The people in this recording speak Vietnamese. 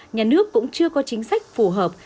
nhà nước cũng chưa có chính sách phù hợp